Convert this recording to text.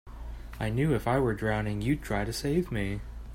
I knew if I were drowning you'd try to save me.